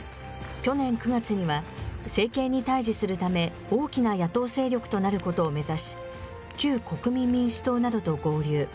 去年９月には、政権に対じするため、大きな野党勢力となることを目指し、旧国民民主党などと合流。